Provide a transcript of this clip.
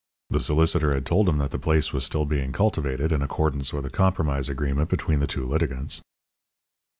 The solicitor had told him that the place was still being cultivated, in accordance with a compromise agreement between the litigants.